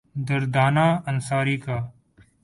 دردانہ انصاری کا